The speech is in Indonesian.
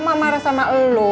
mak marah sama lo